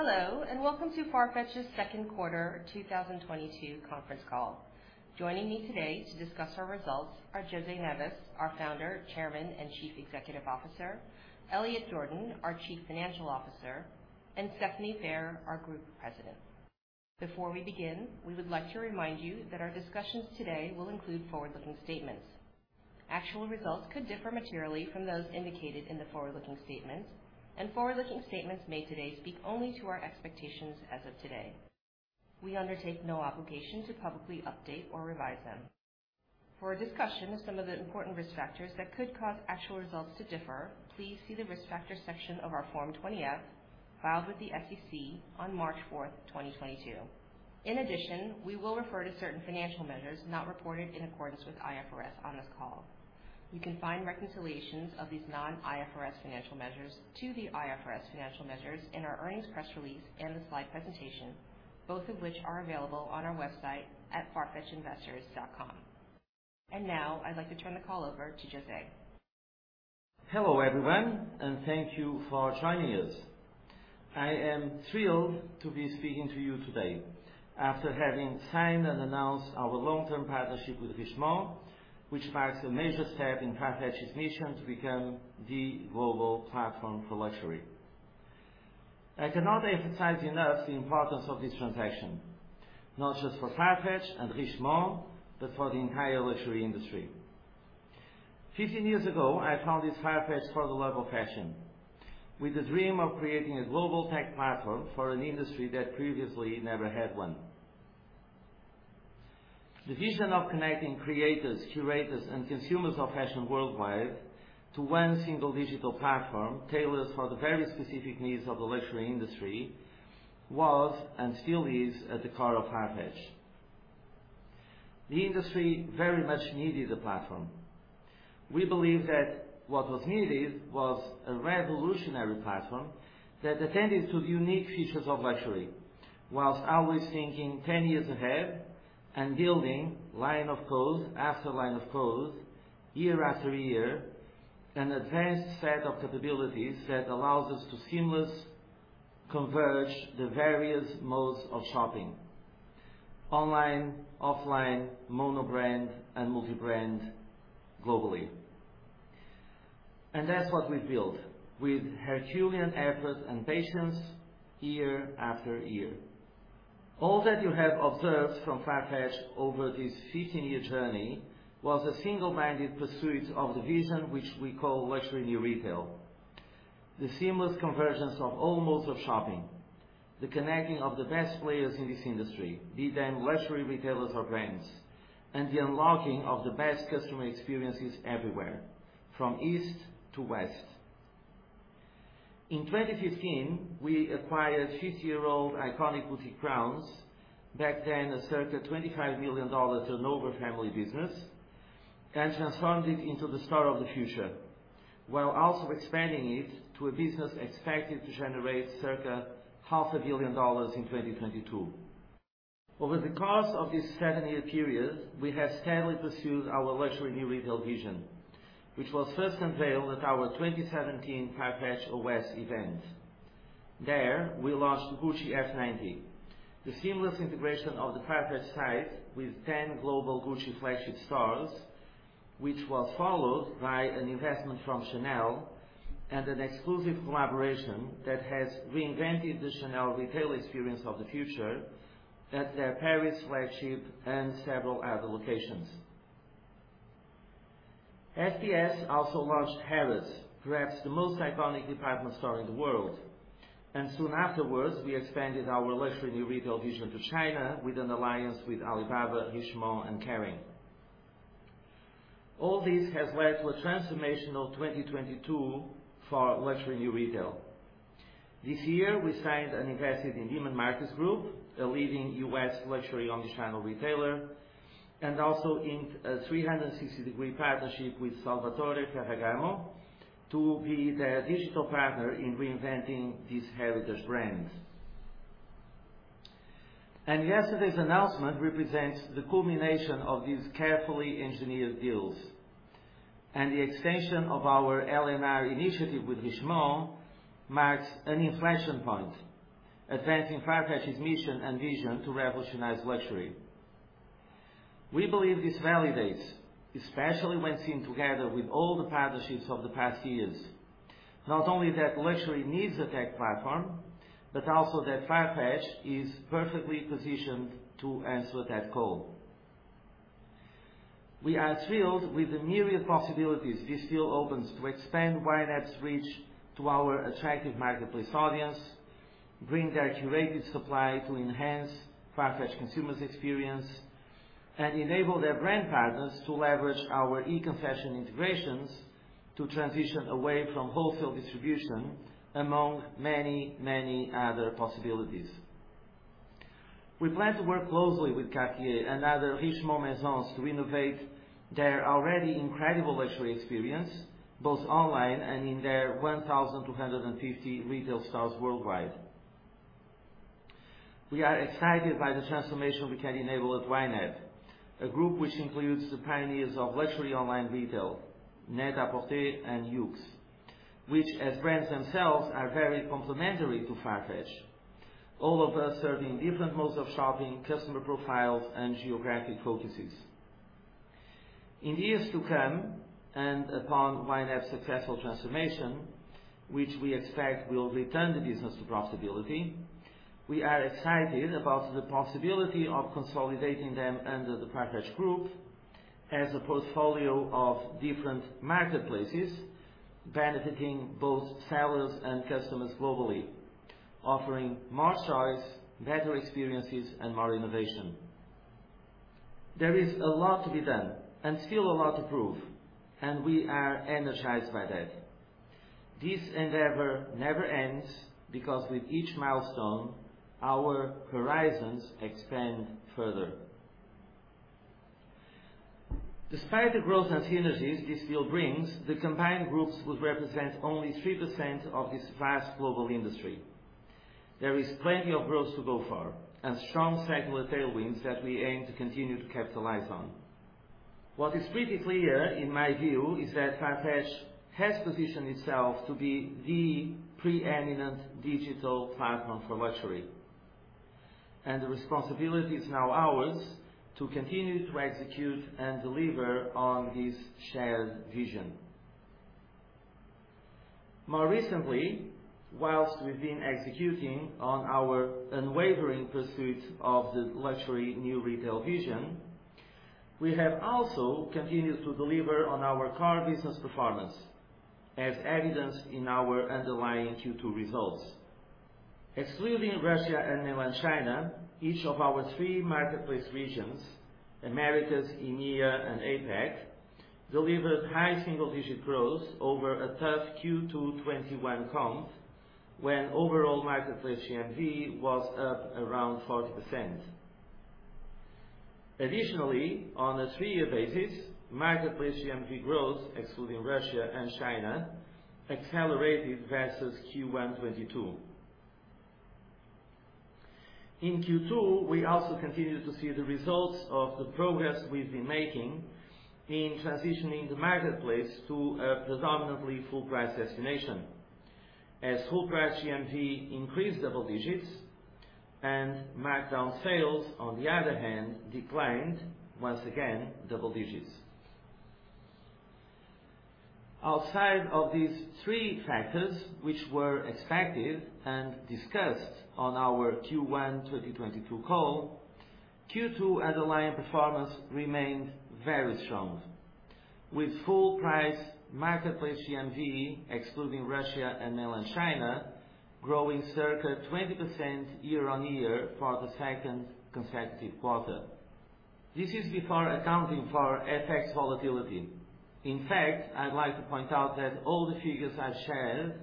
Hello, and welcome to Farfetch's Q2 2022 conference call. Joining me today to discuss our results are José Neves, our Founder, Chairman, and Chief Executive Officer, Elliot Jordan, our Chief Financial Officer, and Stephanie Phair, our Group President. Before we begin, we would like to remind you that our discussions today will include forward-looking statements. Actual results could differ materially from those indicated in the forward-looking statements, and forward-looking statements made today speak only to our expectations as of today. We undertake no obligation to publicly update or revise them. For a discussion of some of the important risk factors that could cause actual results to differ, please see the Risk Factors section of our Form 20-F, filed with the SEC on March 4th, 2022. In addition, we will refer to certain financial measures not reported in accordance with IFRS on this call. You can find reconciliations of these non-IFRS financial measures to the IFRS financial measures in our earnings press release and the slide presentation, both of which are available on our website at farfetchinvestors.com. Now I'd like to turn the call over to José. Hello, everyone, and thank you for joining us. I am thrilled to be speaking to you today after having signed and announced our long-term partnership with Richemont, which marks a major step in Farfetch's mission to become the global platform for luxury. I cannot emphasize enough the importance of this transaction, not just for Farfetch and Richemont, but for the entire luxury industry. 15 years ago, I founded Farfetch for the love of fashion with a dream of creating a global tech platform for an industry that previously never had one. The vision of connecting creators, curators, and consumers of fashion worldwide to one single digital platform tailored for the very specific needs of the luxury industry was and still is at the core of Farfetch. The industry very much needed a platform. We believe that what was needed was a revolutionary platform that attended to the unique features of luxury, while always thinking 10 years ahead and building line of code after line of code, year after year, an advanced set of capabilities that allows us to seamlessly converge the various modes of shopping, online, offline, mono brand, and multi-brand globally. That's what we built with herculean effort and patience year after year. All that you have observed from Farfetch over this 15-year journey was a single-minded pursuit of the vision which we call Luxury New Retail. The seamless convergence of all modes of shopping, the connecting of the best players in this industry, be them luxury retailers or brands, and the unlocking of the best customer experiences everywhere from east to West. In 2015, we acquired 50-year-old iconic boutique Browns, back then a circa $25 million turnover family business, and transformed it into the store of the future, while also expanding it to a business expected to generate circa half a billion dollars in 2022. Over the course of this 7-year period, we have steadily pursued our Luxury New Retail vision, which was first unveiled at our 2017 FarfetchOS event. There, we launched Gucci F90, the seamless integration of the Farfetch site with 10 global Gucci flagship stores, which was followed by an investment from Chanel and an exclusive collaboration that has reinvented the Chanel retail experience of the future at their Paris flagship and several other locations. FPS also launched Harrods, perhaps the most iconic department store in the world, and soon afterwards, we expanded our Luxury New Retail vision to China with an alliance with Alibaba, Richemont, and Kering. All this has led to a transformational 2022 for Luxury New Retail. This year we signed and invested in Neiman Marcus Group, a leading U.S. luxury omnichannel retailer, and also inked a 360-degree partnership with Salvatore Ferragamo to be their digital partner in reinventing this heritage brand. Yesterday's announcement represents the culmination of these carefully engineered deals, and the extension of our LNR initiative with Richemont marks an inflection point, advancing Farfetch's mission and vision to revolutionize luxury. We believe this validates, especially when seen together with all the partnerships of the past years. Not only that luxury needs a tech platform, but also that Farfetch is perfectly positioned to answer that call. We are thrilled with the myriad possibilities this deal opens to expand YNAP's reach to our attractive marketplace audience, bring their curated supply to enhance Farfetch consumers' experience, and enable their brand partners to leverage our e-concession integrations to transition away from wholesale distribution among many, many other possibilities. We plan to work closely with Cartier and other Richemont Maisons to innovate their already incredible luxury experience, both online and in their 1,250 retail stores worldwide. We are excited by the transformation we can enable at YNAP, a group which includes the pioneers of luxury online retail, Net-a-Porter, and Yoox, which as brands themselves are very complementary to Farfetch. All of us serving different modes of shopping, customer profiles, and geographic focuses. In years to come, and upon YNAP's successful transformation, which we expect will return the business to profitability, we are excited about the possibility of consolidating them under the Farfetch group as a portfolio of different marketplaces, benefiting both sellers and customers globally, offering more choice, better experiences, and more innovation. There is a lot to be done and still a lot to prove, and we are energized by that. This endeavor never ends because with each milestone, our horizons expand further. Despite the growth and synergies this deal brings, the combined groups would represent only 3% of this vast global industry. There is plenty of growth to go for and strong secular tailwinds that we aim to continue to capitalize on. What is pretty clear, in my view, is that Farfetch has positioned itself to be the preeminent digital platform for luxury, and the responsibility is now ours to continue to execute and deliver on this shared vision. More recently, while we've been executing on our unwavering pursuit of the Luxury New Retail vision, we have also continued to deliver on our core business performance, as evidenced in our underlying Q2 results. Excluding Russia and mainland China, each of our three marketplace regions, Americas, EMEA, and APAC, delivered high single-digit growth over a tough Q2 2021 comp when overall marketplace GMV was up around 40%. Additionally, on a three-year basis, marketplace GMV growth, excluding Russia and China, accelerated versus Q1 2022. In Q2, we also continued to see the results of the progress we've been making in transitioning the marketplace to a predominantly full price destination. As full price GMV increased double digits and markdown sales, on the other hand, declined, once again, double digits. Outside of these three factors, which were expected and discussed on our Q1 2022 call, Q2 underlying performance remained very strong. With full price marketplace GMV, excluding Russia and mainland China, growing circa 20% year-on-year for the second consecutive quarter. This is before accounting for FX volatility. In fact, I'd like to point out that all the figures I've shared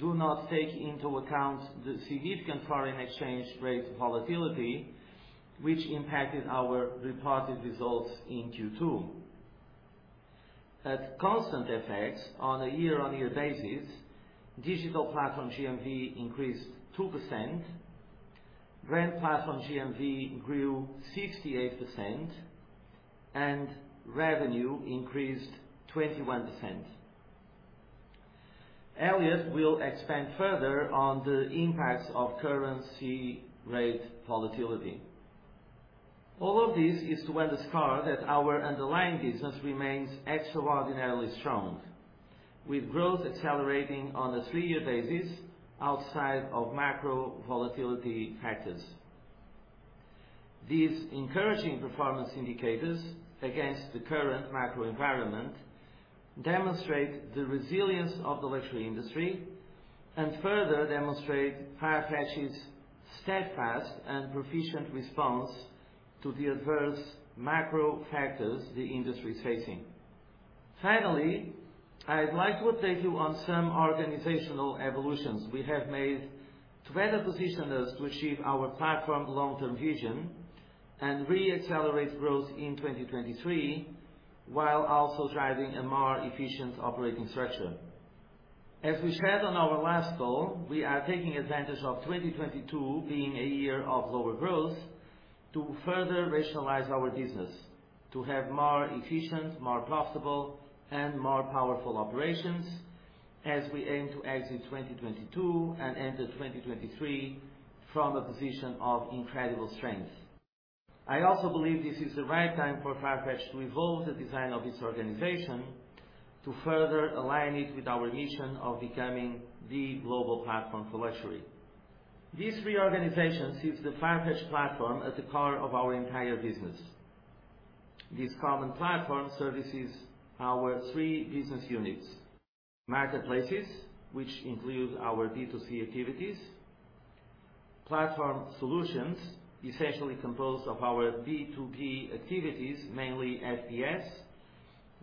do not take into account the significant foreign exchange rate volatility which impacted our reported results in Q2. At constant FX on a year-on-year basis, digital platform GMV increased 2%, brand platform GMV grew 68%, and revenue increased 21%. Elliot will expand further on the impacts of currency rate volatility. All of this is to underscore that our underlying business remains extraordinarily strong, with growth accelerating on a three-year basis outside of macro volatility factors. These encouraging performance indicators against the current macro environment demonstrate the resilience of the luxury industry and further demonstrate Farfetch's steadfast and proficient response to the adverse macro factors the industry is facing. Finally, I'd like to update you on some organizational evolutions we have made to better position us to achieve our platform long-term vision and re-accelerate growth in 2023 while also driving a more efficient operating structure. As we said on our last call, we are taking advantage of 2022 being a year of lower growth to further rationalize our business, to have more efficient, more profitable, and more powerful operations as we aim to exit 2022 and enter 2023 from a position of incredible strength. I also believe this is the right time for Farfetch to evolve the design of its organization to further align it with our mission of becoming the global platform for luxury. This reorganization sees the Farfetch platform at the core of our entire business. This common platform services our three business units, marketplaces, which include our B2C activities, platform solutions, essentially composed of our B2B activities, mainly FPS,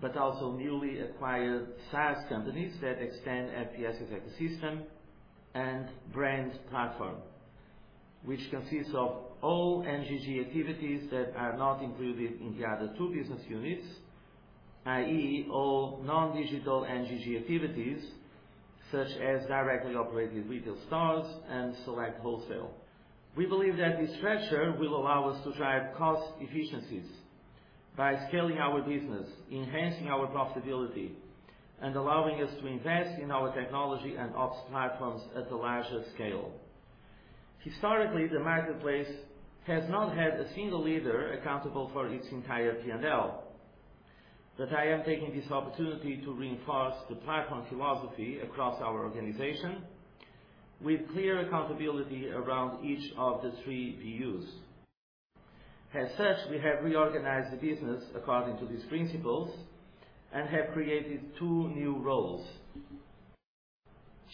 but also newly acquired SaaS companies that extend FPS's ecosystem, and brands platform, which consists of all NGG activities that are not included in the other two business units. i.e., all non-digital NGG activities, such as directly operated retail stores and select wholesale. We believe that this structure will allow us to drive cost efficiencies by scaling our business, enhancing our profitability, and allowing us to invest in our technology and ops platforms at a larger scale. Historically, the marketplace has not had a single leader accountable for its entire P&L. That I am taking this opportunity to reinforce the platform philosophy across our organization with clear accountability around each of the three VUs. As such, we have reorganized the business according to these principles and have created two new roles.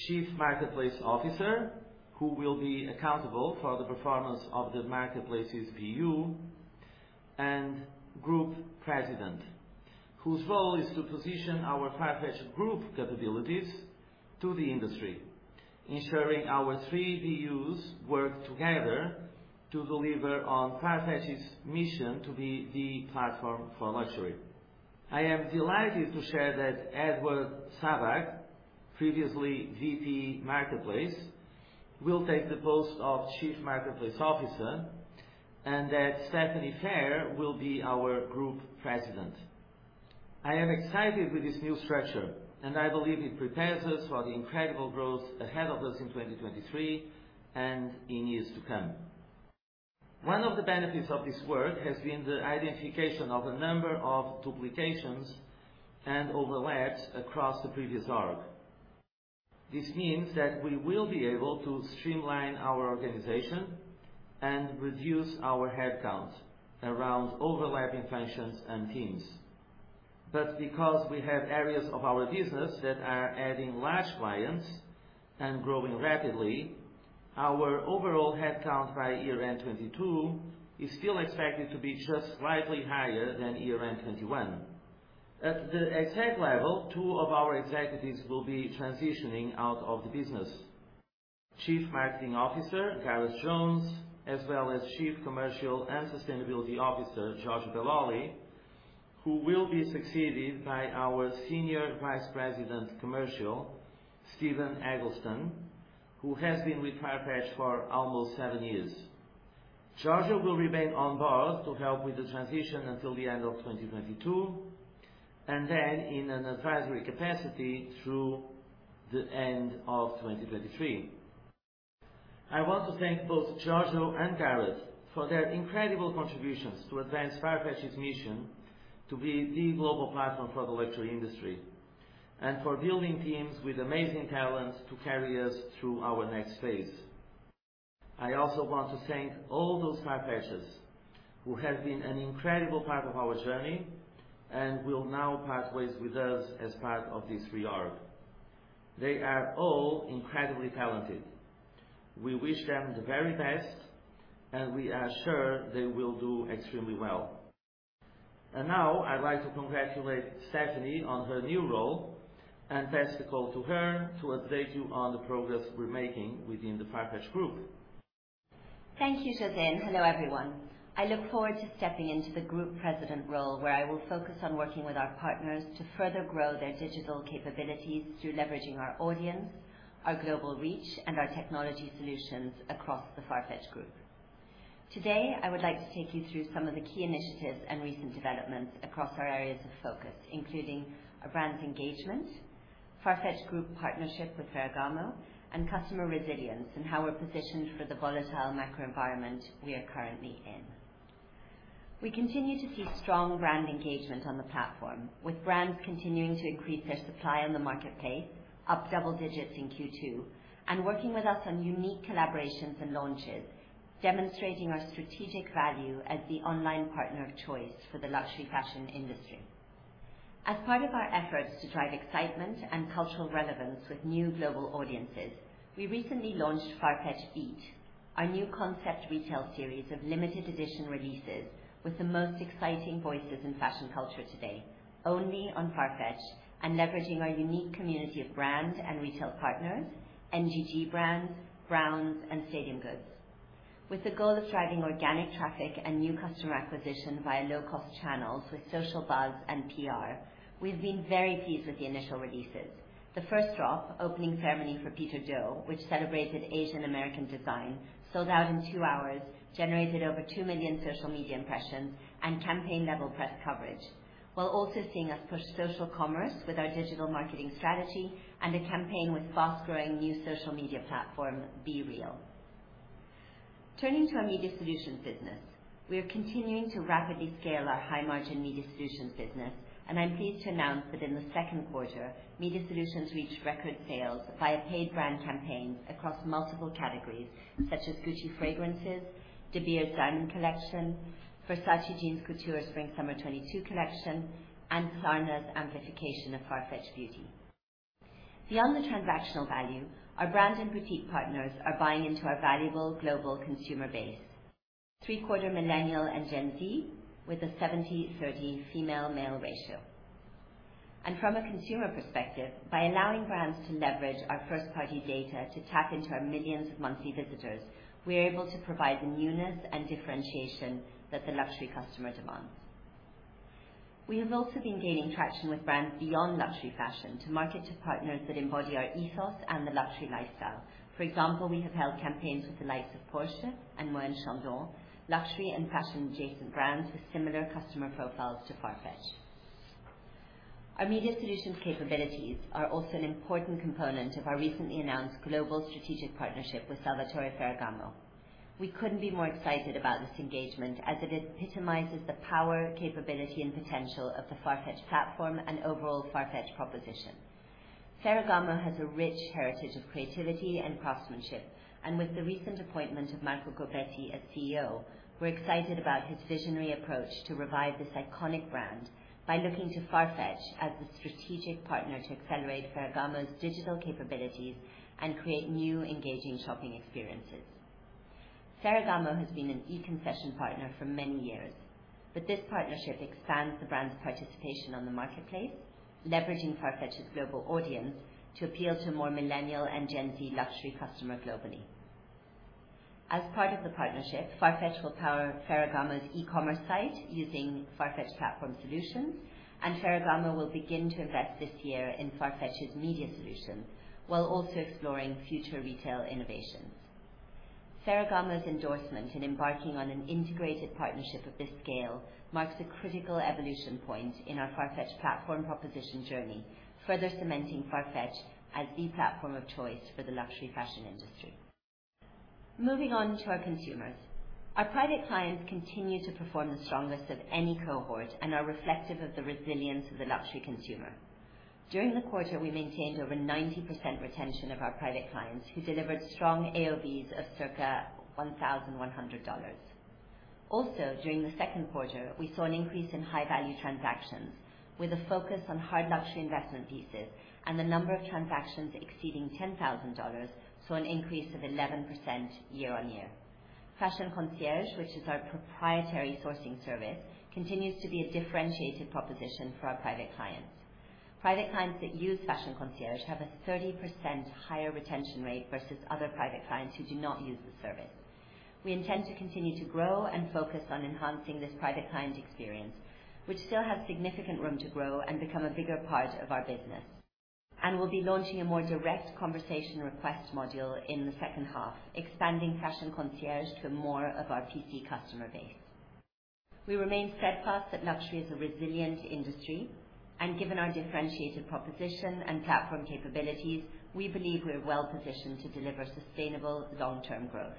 Chief Marketplace Officer, who will be accountable for the performance of the marketplace's VU, and Group President, whose role is to position our Farfetch Group capabilities to the industry, ensuring our three VUs work together to deliver on Farfetch's mission to be the platform for luxury. I am delighted to share that Edward Sabbagh, previously VP Marketplace, will take the post of Chief Marketplace Officer, and that Stephanie Phair will be our Group President. I am excited with this new structure, and I believe it prepares us for the incredible growth ahead of us in 2023 and in years to come. One of the benefits of this work has been the identification of a number of duplications and overlaps across the previous org. This means that we will be able to streamline our organization and reduce our headcount around overlapping functions and teams. Because we have areas of our business that are adding large clients and growing rapidly, our overall headcount by year-end 2022 is still expected to be just slightly higher than year-end 2021. At the exec level, two of our executives will be transitioning out of the business. Chief Marketing Officer Gareth Jones, as well as Chief Commercial and Sustainability Officer Giorgio Belloli, who will be succeeded by our Senior Vice President Commercial, Stephen Eggleston, who has been with Farfetch for almost seven years. Giorgio will remain on board to help with the transition until the end of 2022, and then in an advisory capacity through the end of 2023. I want to thank both Giorgio and Gareth for their incredible contributions to advance Farfetch's mission to be the global platform for the luxury industry and for building teams with amazing talents to carry us through our next phase. I also want to thank all those Farfetchers who have been an incredible part of our journey and will now part ways with us as part of this reorg. They are all incredibly talented. We wish them the very best, and we are sure they will do extremely well. Now I'd like to congratulate Stephanie on her new role and pass the call to her to update you on the progress we're making within the Farfetch Group. Thank you, José. Hello, everyone. I look forward to stepping into the Group President role, where I will focus on working with our partners to further grow their digital capabilities through leveraging our audience, our global reach, and our technology solutions across the Farfetch Group. Today, I would like to take you through some of the key initiatives and recent developments across our areas of focus, including our brand engagement, Farfetch Group partnership with Ferragamo, and customer resilience, and how we're positioned for the volatile macro environment we are currently in. We continue to see strong brand engagement on the platform, with brands continuing to increase their supply on the marketplace, up double digits in Q2, and working with us on unique collaborations and launches, demonstrating our strategic value as the online partner of choice for the luxury fashion industry. As part of our efforts to drive excitement and cultural relevance with new global audiences, we recently launched Farfetch Beat, our new concept retail series of limited edition releases with the most exciting voices in fashion culture today, only on Farfetch, and leveraging our unique community of brand and retail partners, NGG brands, and Stadium Goods. With the goal of driving organic traffic and new customer acquisition via low-cost channels with social buzz and PR, we've been very pleased with the initial releases. The first drop, Opening Ceremony for Peter Do, which celebrated Asian American design, sold out in two hours, generated over 2 million social media impressions and campaign-level press coverage, while also seeing us push social commerce with our digital marketing strategy and a campaign with fast-growing new social media platform, BeReal. Turning to our Media Solutions business, we are continuing to rapidly scale our high-margin Media Solutions business, and I'm pleased to announce that in the second quarter, Media Solutions reached record sales via paid brand campaigns across multiple categories such as Gucci fragrances, De Beers diamond collection, Versace Jeans Couture Spring/Summer 2022 collection, and Klarna's amplification of Farfetch Beauty. Beyond the transactional value, our brand and boutique partners are buying into our valuable global consumer base, three-quarters millennial and Gen Z with a 70/30 female/male ratio. From a consumer perspective, by allowing brands to leverage our first-party data to tap into our millions of monthly visitors, we are able to provide newness and differentiation that the luxury customer demands. We have also been gaining traction with brands beyond luxury fashion to market to partners that embody our ethos and the luxury lifestyle. For example, we have held campaigns with the likes of Porsche and Moët & Chandon, luxury and fashion adjacent brands with similar customer profiles to Farfetch. Our media solutions capabilities are also an important component of our recently announced global strategic partnership with Salvatore Ferragamo. We couldn't be more excited about this engagement as it epitomizes the power, capability, and potential of the Farfetch platform and overall Farfetch proposition. Ferragamo has a rich heritage of creativity and craftsmanship, and with the recent appointment of Marco Gobbetti as CEO, we're excited about his visionary approach to revive this iconic brand by looking to Farfetch as the strategic partner to accelerate Ferragamo's digital capabilities and create new engaging shopping experiences. Ferragamo has been an e-concession partner for many years, but this partnership expands the brand's participation on the marketplace, leveraging Farfetch's global audience to appeal to more millennial and Gen Z luxury customer globally. As part of the partnership, Farfetch will power Ferragamo's e-commerce site using Farfetch Platform Solutions, and Ferragamo will begin to invest this year in Farfetch's media solutions while also exploring future retail innovations. Ferragamo's endorsement in embarking on an integrated partnership of this scale marks a critical evolution point in our Farfetch platform proposition journey, further cementing Farfetch as the platform of choice for the luxury fashion industry. Moving on to our consumers. Our private clients continue to perform the strongest of any cohort and are reflective of the resilience of the luxury consumer. During the quarter, we maintained over 90% retention of our private clients, who delivered strong AOVs of circa $1,100. Also, during the second quarter, we saw an increase in high-value transactions with a focus on hard luxury investment pieces and the number of transactions exceeding $10,000 saw an increase of 11% year-on-year. Fashion Concierge, which is our proprietary sourcing service, continues to be a differentiated proposition for our private clients. Private clients that use Fashion Concierge have a 30% higher retention rate versus other private clients who do not use the service. We intend to continue to grow and focus on enhancing this private client experience, which still has significant room to grow and become a bigger part of our business. We'll be launching a more direct conversation request module in the second half, expanding Fashion Concierge to more of our PC customer base. We remain steadfast that luxury is a resilient industry, and given our differentiated proposition and platform capabilities, we believe we're well positioned to deliver sustainable long-term growth.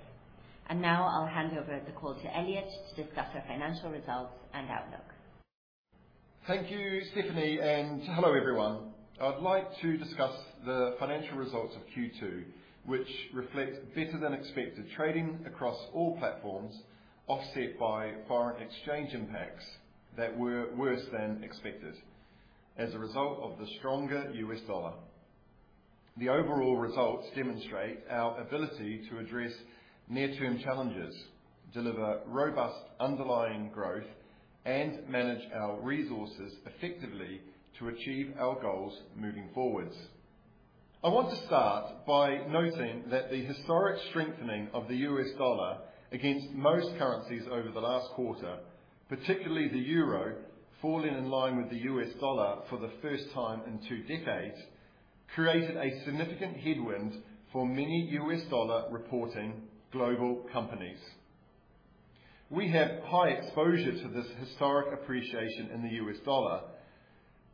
Now I'll hand over the call to Elliot to discuss our financial results and outlook. Thank you, Stephanie, and hello, everyone. I'd like to discuss the financial results of Q2, which reflect better-than-expected trading across all platforms, offset by foreign exchange impacts that were worse than expected as a result of the stronger U.S. dollar. The overall results demonstrate our ability to address near-term challenges, deliver robust underlying growth, and manage our resources effectively to achieve our goals moving forwards. I want to start by noting that the historic strengthening of the U.S. dollar against most currencies over the last quarter, particularly the euro falling in line with the U.S. dollar for the first time in two decades, created a significant headwind for many U.S. dollar reporting global companies. We have high exposure to this historic appreciation in the U.S. dollar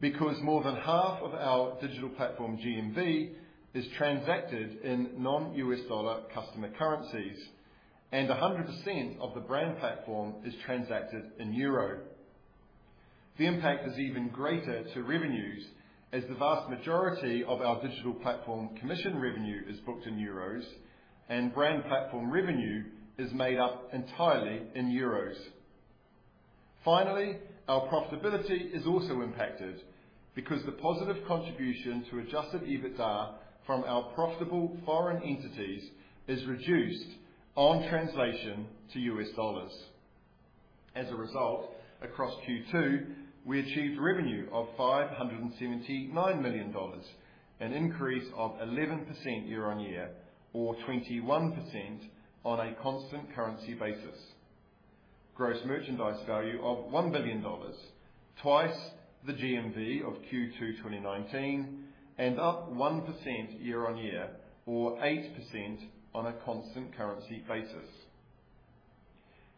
because more than half of our digital platform GMV is transacted in non-U.S. dollar customer currencies, and 100% of the brand platform is transacted in euro. The impact is even greater to revenues, as the vast majority of our digital platform commission revenue is booked in euros, and brand platform revenue is made up entirely in euros. Finally, our profitability is also impacted because the positive contribution to adjusted EBITDA from our profitable foreign entities is reduced on translation to U.S. dollars. As a result, across Q2, we achieved revenue of $579 million, an increase of 11% year-on-year or 21% on a constant currency basis. Gross merchandise value of $1 billion, twice the GMV of Q2 2019 and up 1% year-on-year or 8% on a constant currency basis.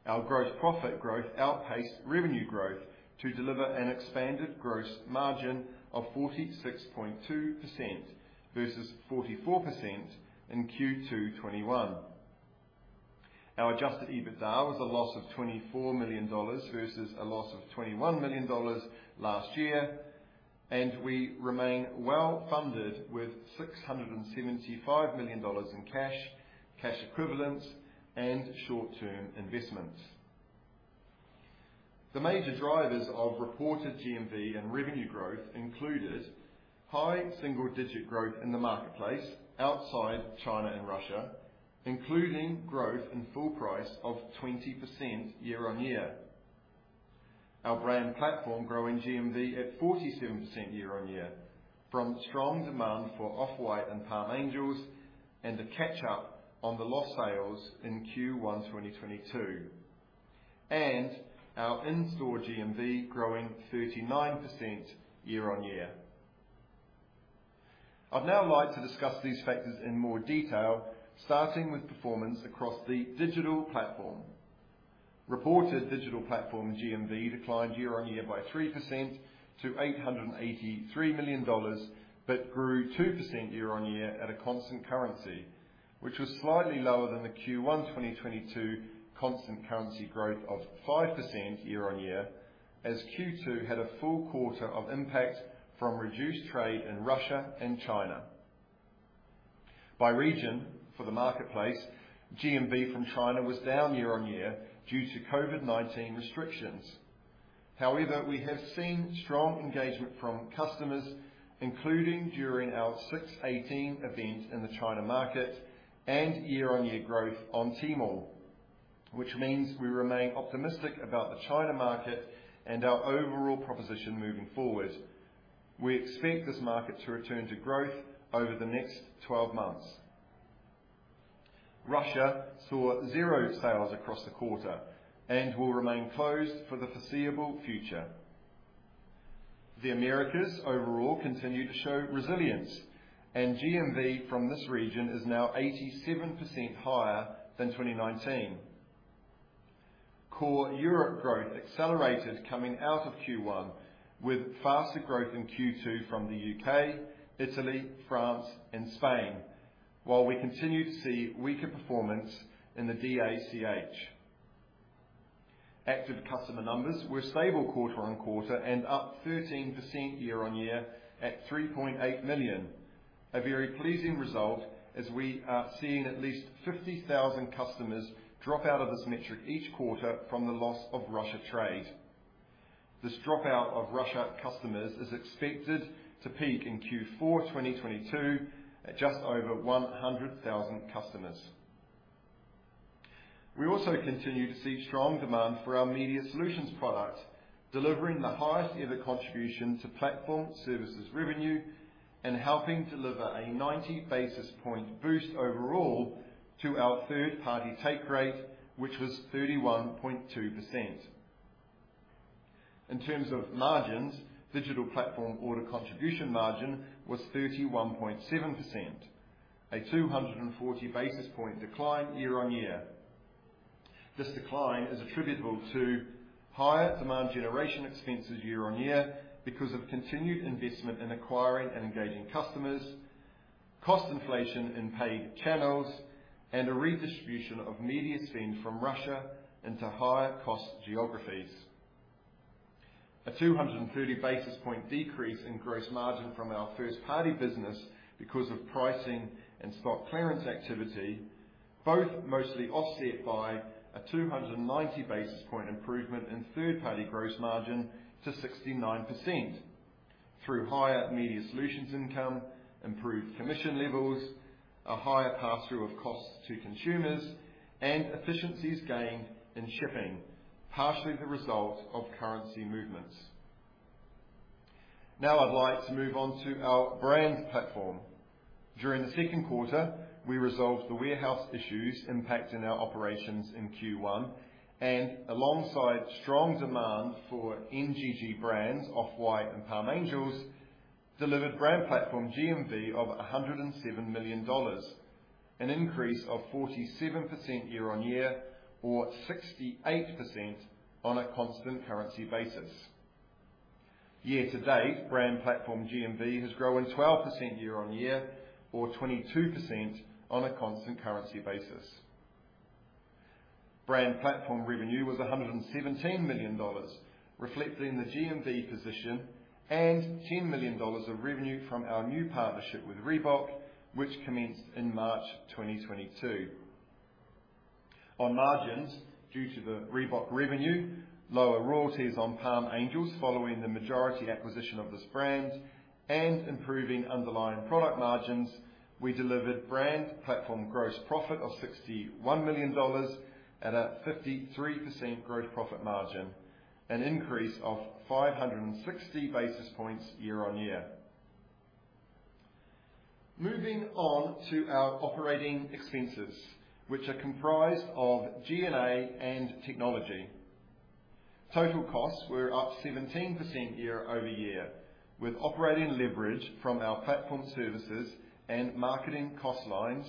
Our gross profit growth outpaced revenue growth to deliver an expanded gross margin of 46.2% versus 44% in Q2 2021. Our adjusted EBITDA was a loss of $24 million versus a loss of $21 million last year, and we remain well-funded with $675 million in cash equivalents, and short-term investments. The major drivers of reported GMV and revenue growth included high single-digit growth in the marketplace outside China and Russia, including growth in full price of 20% year-on-year. Our brand platform growing GMV at 47% year-on-year from strong demand for Off-White and Palm Angels and the catch-up on the lost sales in Q1 2022. Our in-store GMV growing 39% year-on-year. I'd now like to discuss these factors in more detail, starting with performance across the digital platform. Reported digital platform GMV declined year-on-year by 3% to $883 million, but grew 2% year-on-year at a constant currency, which was slightly lower than the Q1 2022 constant currency growth of 5% year-on-year as Q2 had a full quarter of impact from reduced trade in Russia and China. By region for the marketplace, GMV from China was down year-on-year due to COVID-19 restrictions. However, we have seen strong engagement from customers, including during our 618 event in the China market and year-on-year growth on Tmall, which means we remain optimistic about the China market and our overall proposition moving forward. We expect this market to return to growth over the next 12 months. Russia saw zero sales across the quarter and will remain closed for the foreseeable future. The Americas overall continued to show resilience, and GMV from this region is now 87% higher than 2019. Core Europe growth accelerated coming out of Q1 with faster growth in Q2 from the U.K., Italy, France and Spain, while we continue to see weaker performance in the DACH. Active customer numbers were stable quarter-over-quarter and up 13% year-over-year at 3.8 million. A very pleasing result as we are seeing at least 50,000 customers drop out of this metric each quarter from the loss of Russia trade. This dropout of Russia customers is expected to peak in Q4 2022 at just over 100,000 customers. We also continue to see strong demand for our media solutions product, delivering the highest ever contribution to platform services revenue and helping deliver a 90 basis points boost overall to our third-party take rate, which was 31.2%. In terms of margins, digital platform order contribution margin was 31.7%, a 240 basis points decline year-on-year. This decline is attributable to higher demand generation expenses year-on-year because of continued investment in acquiring and engaging customers, cost inflation in paid channels, and a redistribution of media spend from Russia into higher cost geographies. A 230 basis points decrease in gross margin from our first-party business because of pricing and stock clearance activity, both mostly offset by a 290 basis points improvement in third-party gross margin to 69% through higher media solutions income, improved commission levels, a higher pass-through of costs to consumers and efficiencies gained in shipping, partially the result of currency movements. Now I'd like to move on to our brand platform. During the second quarter, we resolved the warehouse issues impacting our operations in Q1 and alongside strong demand for NGG brands, Off-White and Palm Angels delivered brand platform GMV of $107 million, an increase of 47% year-over-year or 68% on a constant currency basis. Year to date, brand platform GMV has grown 12% year on year or 22% on a constant currency basis. Brand platform revenue was $117 million, reflecting the GMV position and $10 million of revenue from our new partnership with Reebok, which commenced in March 2022. On margins, due to the Reebok revenue, lower royalties on Palm Angels following the majority acquisition of this brand and improving underlying product margins, we delivered brand platform gross profit of $61 million at a 53% gross profit margin, an increase of 560 basis points year on year. Moving on to our operating expenses, which are comprised of G&A and technology. Total costs were up 17% year-over-year, with operating leverage from our platform services and marketing cost lines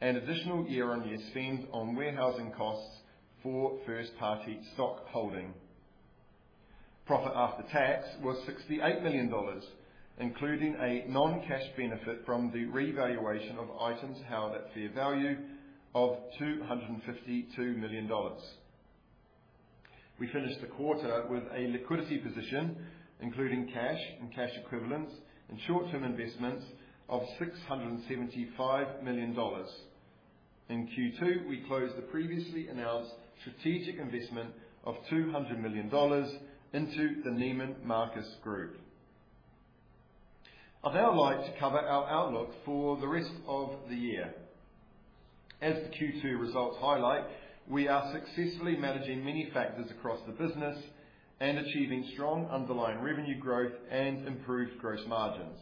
and additional year-over-year spend on warehousing costs for first-party stock holding. Profit after tax was $68 million, including a non-cash benefit from the revaluation of items held at fair value of $252 million. We finished the quarter with a liquidity position, including cash and cash equivalents and short-term investments of $675 million. In Q2, we closed the previously announced strategic investment of $200 million into the Neiman Marcus Group. I'd now like to cover our outlook for the rest of the year. As the Q2 results highlight, we are successfully managing many factors across the business and achieving strong underlying revenue growth and improved gross margins.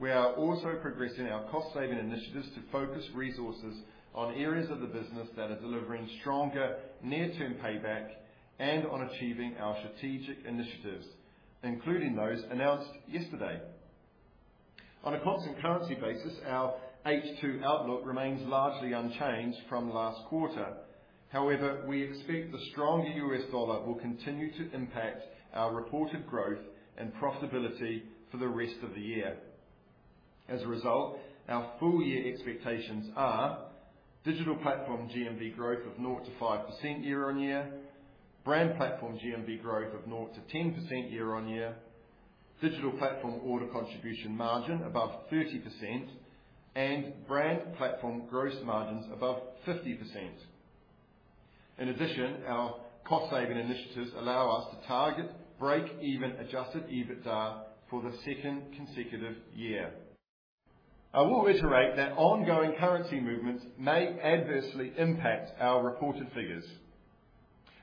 We are also progressing our cost-saving initiatives to focus resources on areas of the business that are delivering stronger near-term payback and on achieving our strategic initiatives, including those announced yesterday. On a constant currency basis, our H2 outlook remains largely unchanged from last quarter. However, we expect the strong U.S. dollar will continue to impact our reported growth and profitability for the rest of the year. As a result, our full year expectations are digital platform GMV growth of 0%-5% year-on-year, brand platform GMV growth of 0%-10% year-on-year, digital platform order contribution margin above 30%, and brand platform gross margins above 50%. In addition, our cost-saving initiatives allow us to target break-even adjusted EBITDA for the second consecutive year. I will reiterate that ongoing currency movements may adversely impact our reported figures.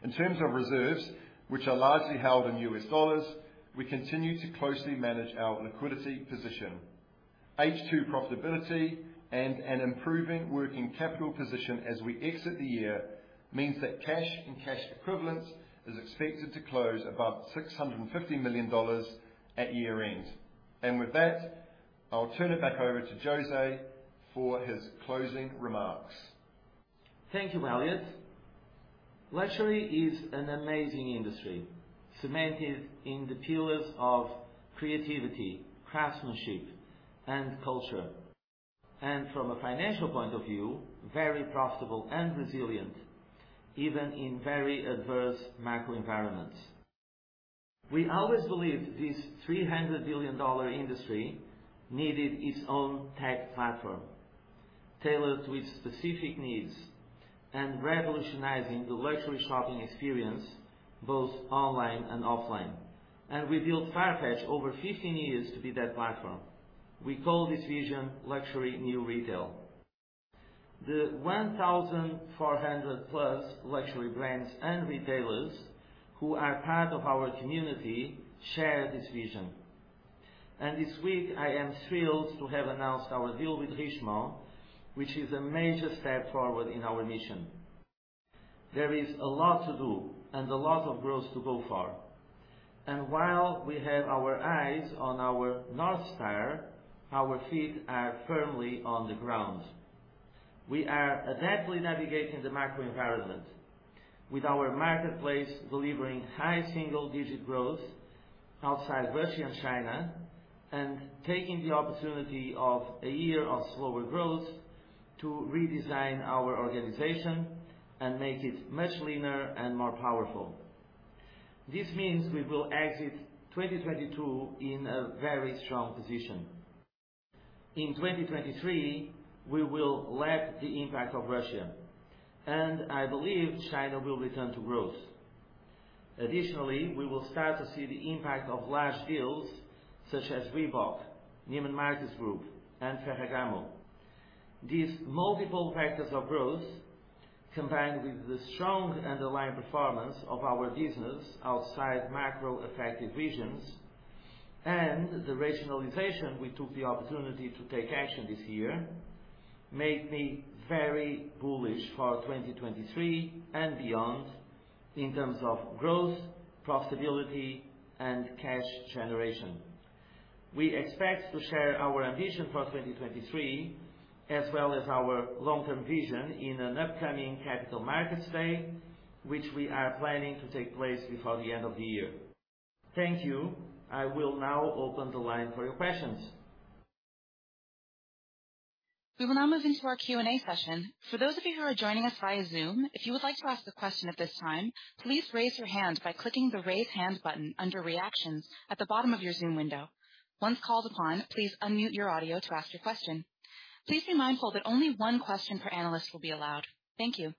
In terms of reserves, which are largely held in U.S. dollars, we continue to closely manage our liquidity position. H2 profitability and an improving working capital position as we exit the year means that cash and cash equivalents is expected to close above $650 million at year-end. With that, I'll turn it back over to José for his closing remarks. Thank you, Elliot. Luxury is an amazing industry, cemented in the pillars of creativity, craftsmanship, and culture. From a financial point of view, very profitable and resilient, even in very adverse macro environments. We always believed this $300 billion industry needed its own tech platform tailored to its specific needs and revolutionizing the luxury shopping experience both online and offline. We built Farfetch over 15 years to be that platform. We call this vision Luxury New Retail. The 1,400+ luxury brands and retailers who are part of our community share this vision. This week, I am thrilled to have announced our deal with Richemont, which is a major step forward in our mission. There is a lot to do and a lot of growth to go for. While we have our eyes on our North Star, our feet are firmly on the ground. We are adeptly navigating the macro environment with our marketplace delivering high single-digit growth outside Russia and China, and taking the opportunity of a year of slower growth to redesign our organization and make it much leaner and more powerful. This means we will exit 2022 in a very strong position. In 2023, we will lack the impact of Russia, and I believe China will return to growth. Additionally, we will start to see the impact of large deals such as Reebok, Neiman Marcus Group, and Ferragamo. These multiple vectors of growth, combined with the strong underlying performance of our business outside macro-affected regions and the rationalization we took the opportunity to take action this year, make me very bullish for 2023 and beyond in terms of growth, profitability, and cash generation. We expect to share our ambition for 2023 as well as our long-term vision in an upcoming capital markets day, which we are planning to take place before the end of the year. Thank you. I will now open the line for your questions. We will now move into our Q&A session. For those of you who are joining us via Zoom, if you would like to ask a question at this time, please raise your hand by clicking the Raise Hand button under Reactions at the bottom of your Zoom window. Once called upon, please unmute your audio to ask your question. Please be mindful that only one question per analyst will be allowed. Thank you.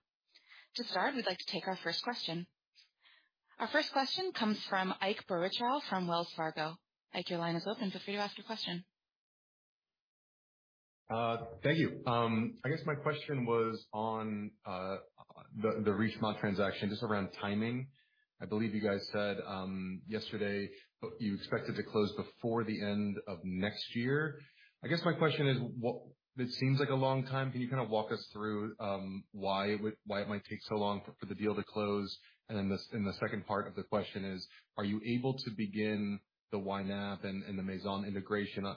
To start, we'd like to take our first question. Our first question comes from Ike Boruchow from Wells Fargo. Ike, your line is open. Feel free to ask your question. Thank you. I guess my question was on the Richemont transaction, just around timing. I believe you guys said yesterday you expected to close before the end of next year. I guess my question is, it seems like a long time. Can you kind of walk us through why it would, why it might take so long for the deal to close? And then the second part of the question is, are you able to begin the YNAP and the Maison integration to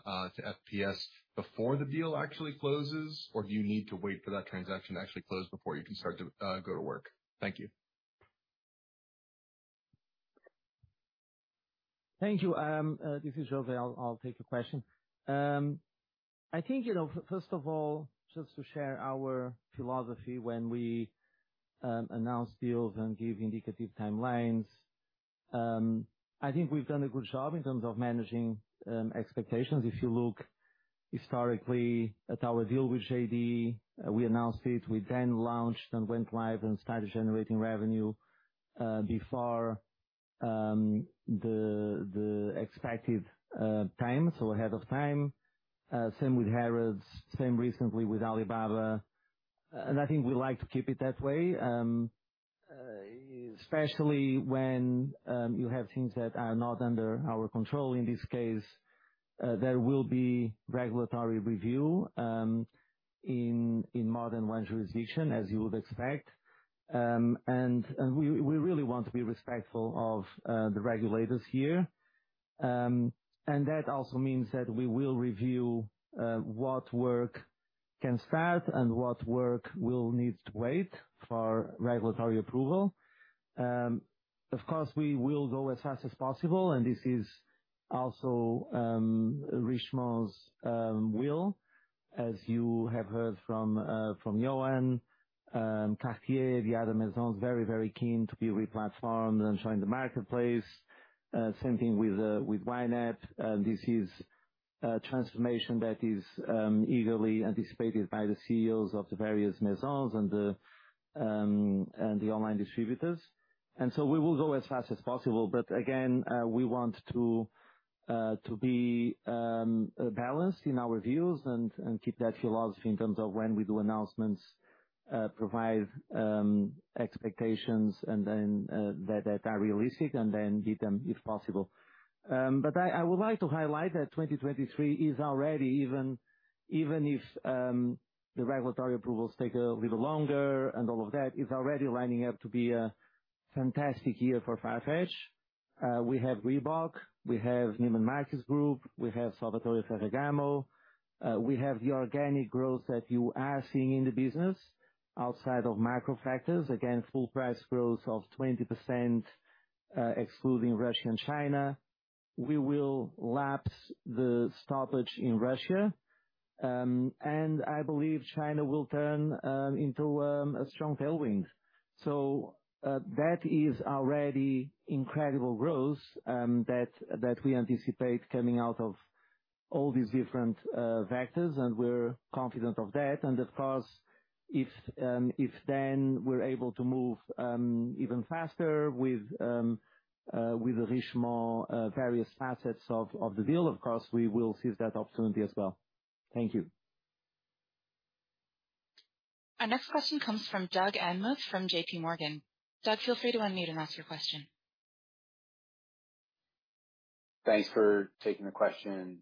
FPS before the deal actually closes? Or do you need to wait for that transaction to actually close before you can start to go to work? Thank you. Thank you. This is José. I'll take the question. I think, you know, first of all, just to share our philosophy when we announce deals and give indicative timelines. I think we've done a good job in terms of managing expectations. If you look historically at our deal with JD, we announced it, we then launched and went live and started generating revenue before the expected time, so ahead of time. Same with Harrods, same recently with Alibaba. I think we like to keep it that way. Especially when you have things that are not under our control. In this case, there will be regulatory review in more than one jurisdiction, as you would expect. We really want to be respectful of the regulators here. That also means that we will review what work can start and what work will need to wait for regulatory approval. Of course, we will go as fast as possible, and this is also Richemont's will, as you have heard from Johan. Cartier, the other Maisons, very, very keen to be re-platformed and join the marketplace. Same thing with YNAP. This is a transformation that is eagerly anticipated by the CEOs of the various Maisons and the online distributors. We will go as fast as possible. Again, we want to be balanced in our reviews and keep that philosophy in terms of when we do announcements, provide expectations and then that are realistic and then get them if possible. I would like to highlight that 2023 is already, even if the regulatory approvals take a little longer and all of that, it's already lining up to be a fantastic year for Farfetch. We have Reebok, we have Neiman Marcus Group, we have Salvatore Ferragamo. We have the organic growth that you are seeing in the business outside of macro factors. Again, full price growth of 20%, excluding Russia and China. We will lapse the stoppage in Russia. I believe China will turn into a strong tailwind. That is already incredible growth that we anticipate coming out of all these different vectors, and we're confident of that. Of course, if then we're able to move even faster with Richemont various assets of the deal, of course, we will seize that opportunity as well. Thank you. Our next question comes from Doug Anmuth, from JPMorgan. Doug, feel free to unmute and ask your question. Thanks for taking the question.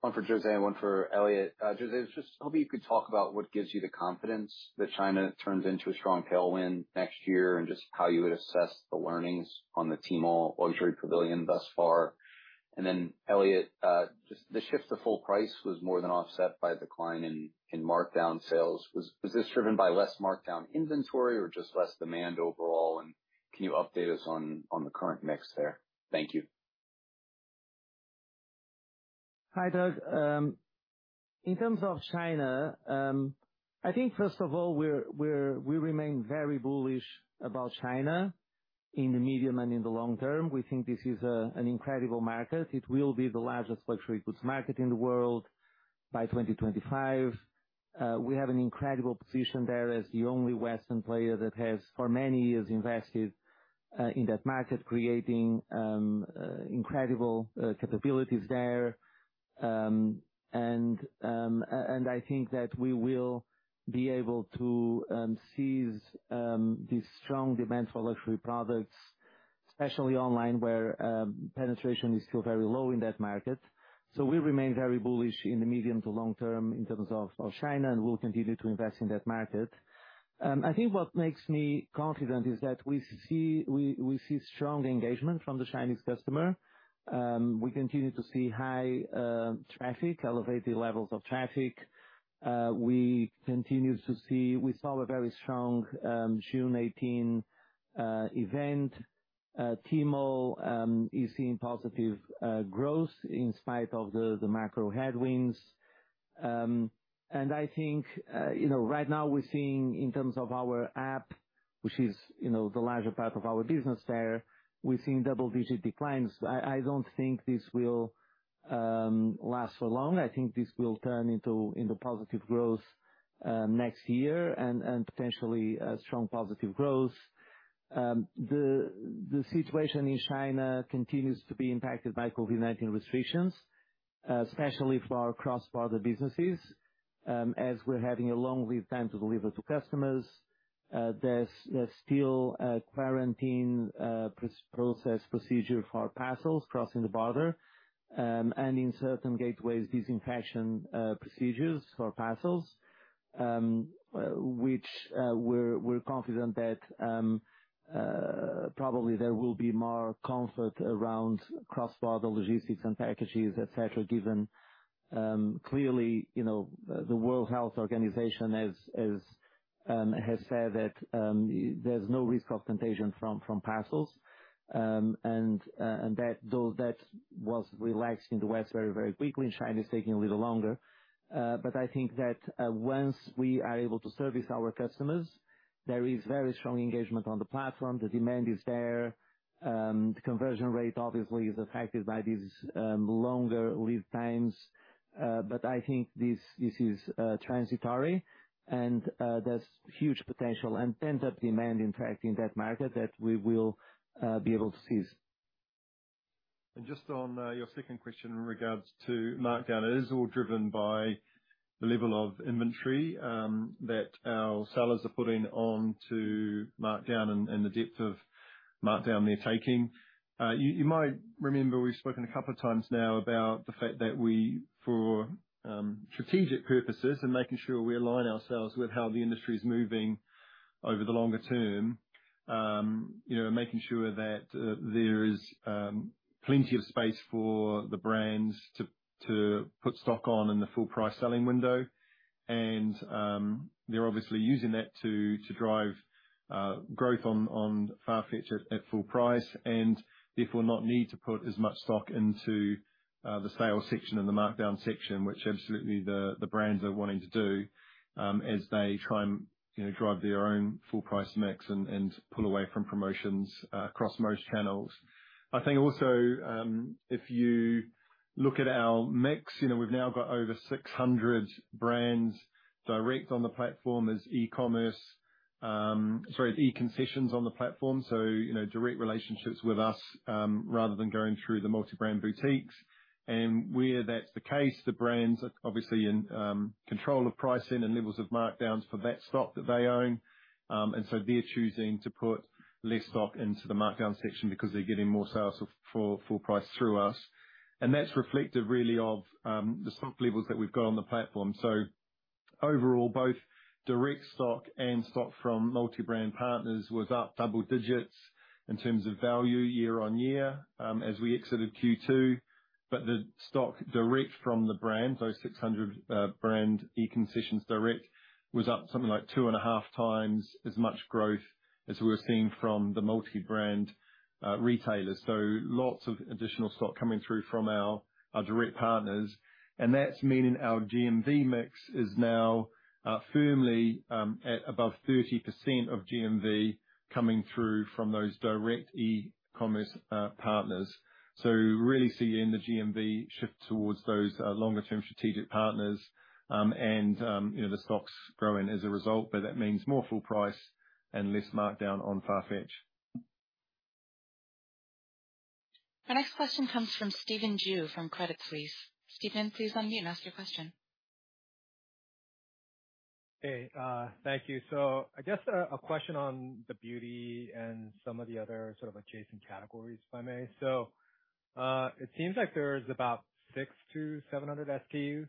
One for José, one for Elliot. José, I was just hoping you could talk about what gives you the confidence that China turns into a strong tailwind next year, and just how you would assess the learnings on the Tmall Luxury Pavilion thus far. Elliot, just the shift to full price was more than offset by decline in markdown sales. Was this driven by less markdown inventory or just less demand overall, and can you update us on the current mix there? Thank you. Hi, Doug. In terms of China, I think first of all, we remain very bullish about China in the medium and in the long term. We think this is an incredible market. It will be the largest luxury goods market in the world by 2025. We have an incredible position there as the only Western player that has for many years invested in that market, creating incredible capabilities there. I think that we will be able to seize the strong demand for luxury products, especially online, where penetration is still very low in that market. We remain very bullish in the medium to long term in terms of China and will continue to invest in that market. I think what makes me confident is that we see strong engagement from the Chinese customer. We continue to see high traffic, elevated levels of traffic. We continue to see. We saw a very strong June 18th event. Tmall is seeing positive growth in spite of the macro headwinds. I think, you know, right now we're seeing in terms of our app, which is, you know, the larger part of our business there, we're seeing double-digit declines. I don't think this will last for long. I think this will turn into positive growth next year and potentially a strong positive growth. The situation in China continues to be impacted by COVID-19 restrictions, especially for our cross-border businesses, as we're having a long lead time to deliver to customers. There's still a quarantine process procedure for parcels crossing the border. In certain gateways, disinfection procedures for parcels, which we're confident that probably there will be more comfort around cross-border logistics and packages, et cetera, given clearly, you know, the World Health Organization has said that there's no risk of contagion from parcels. That was relaxed in the West very quickly. In China, it's taking a little longer. I think that once we are able to service our customers There is very strong engagement on the platform. The demand is there. The conversion rate obviously is affected by these longer lead times. I think this is transitory and there's huge potential and pent-up demand, in fact, in that market that we will be able to seize. Just on your second question in regards to markdown, it is all driven by the level of inventory that our sellers are putting onto markdown and the depth of markdown they're taking. You might remember we've spoken a couple of times now about the fact that we, for strategic purposes and making sure we align ourselves with how the industry's moving over the longer term, you know, making sure that there is plenty of space for the brands to put stock on in the full price selling window. They're obviously using that to drive growth on Farfetch at full price and therefore not need to put as much stock into the sales section and the markdown section, which absolutely the brands are wanting to do, as they try and, you know, drive their own full price mix and pull away from promotions across most channels. I think also, if you look at our mix, you know, we've now got over 600 brands direct on the platform as e-commerce. Sorry, e-concessions on the platform. You know, direct relationships with us rather than going through the multi-brand boutiques. Where that's the case, the brands are obviously in control of pricing and levels of markdowns for that stock that they own. They're choosing to put less stock into the markdown section because they're getting more sales of full price through us. That's reflective really of the stock levels that we've got on the platform. Overall, both direct stock and stock from multi-brand partners was up double digits in terms of value year-over-year as we exited Q2. The stock direct from the brands, those 600 brand e-concessions direct, was up something like 2.5x as much growth as we were seeing from the multi-brand retailers. Lots of additional stock coming through from our direct partners. That's meaning our GMV mix is now firmly at above 30% of GMV coming through from those direct e-commerce partners. Really seeing the GMV shift towards those longer term strategic partners. You know, the stock's growing as a result, but that means more full price and less markdown on Farfetch. The next question comes from Stephen Ju from Credit Suisse. Stephen, please unmute and ask your question. Hey, thank you. I guess a question on the beauty and some of the other sort of adjacent categories, if I may. It seems like there's about 600-700 SKUs,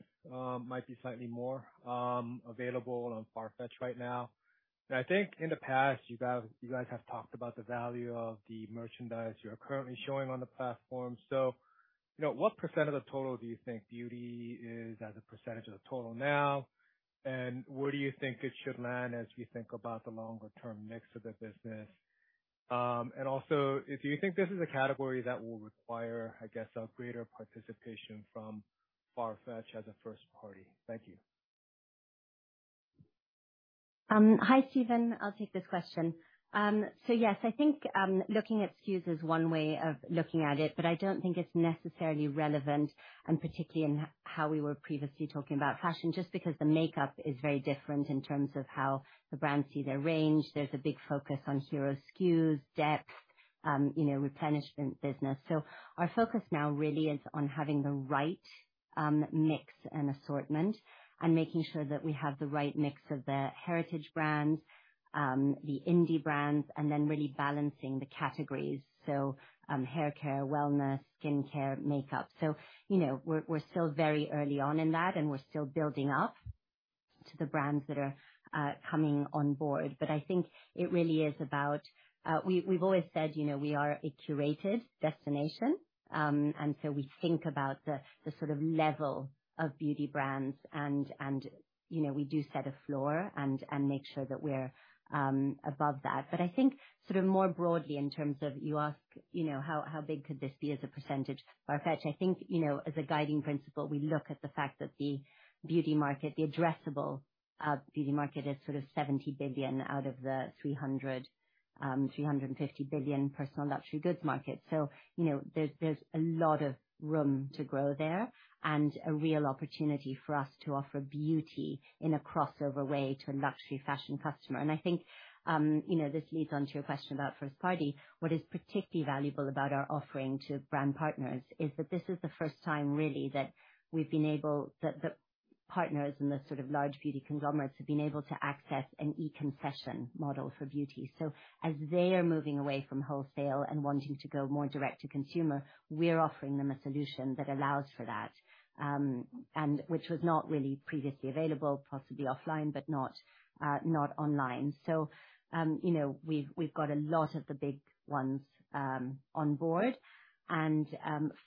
might be slightly more, available on Farfetch right now. I think in the past, you guys have talked about the value of the merchandise you are currently showing on the platform. You know, what percent of the total do you think beauty is as a percent of the total now? And where do you think it should land as you think about the longer term mix of the business? Also if you think this is a category that will require, I guess, a greater participation from Farfetch as a first party. Thank you. Hi, Stephen. I'll take this question. Yes, I think looking at SKUs is one way of looking at it, but I don't think it's necessarily relevant, particularly in how we were previously talking about fashion, just because the makeup is very different in terms of how the brands see their range. There's a big focus on hero SKUs, depth, you know, replenishment business. Our focus now really is on having the right mix and assortment and making sure that we have the right mix of the heritage brands, the indie brands, and then really balancing the categories. Haircare, wellness, skincare, makeup. You know, we're still very early on in that, and we're still building up to the brands that are coming on board. I think it really is about. We've always said, you know, we are a curated destination. We think about the sort of level of beauty brands and, you know, we do set a floor and make sure that we're above that. I think sort of more broadly in terms of you ask, you know, how big could this be as a percentage of Farfetch, I think, you know, as a guiding principle, we look at the fact that the beauty market, the addressable beauty market is sort of $70 billion out of the $350 billion personal luxury goods market. You know, there's a lot of room to grow there and a real opportunity for us to offer beauty in a crossover way to a luxury fashion customer. I think, you know, this leads on to your question about first party. What is particularly valuable about our offering to brand partners is that this is the first time really that the partners and the sort of large beauty conglomerates have been able to access an e-concession model for beauty. As they are moving away from wholesale and wanting to go more direct to consumer, we're offering them a solution that allows for that, and which was not really previously available, possibly offline, but not online. You know, we've got a lot of the big ones on board.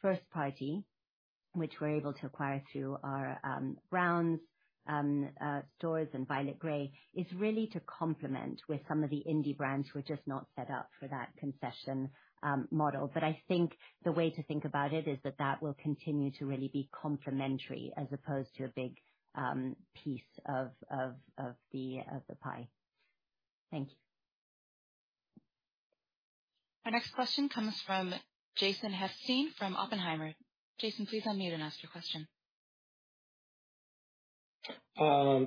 First party, which we're able to acquire through our Browns stores and Violet Grey, is really to complement with some of the indie brands who are just not set up for that concession model. I think the way to think about it is that that will continue to really be complementary as opposed to a big piece of the pie. Thank you. Our next question comes from Jason Helfstein from Oppenheimer. Jason, please unmute and ask your question.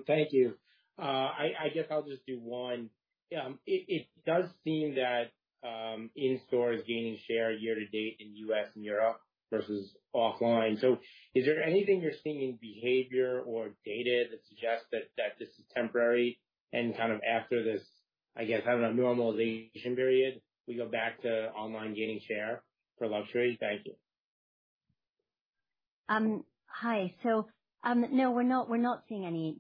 Thank you. I guess I'll just do one. It does seem that in-store is gaining share year to date in U.S. and Europe versus online. Is there anything you're seeing in behavior or data that suggests that this is temporary and kind of after this, I guess, I don't know, normalization period, we go back to online gaining share for luxury? Thank you. Hi. No, we're not seeing any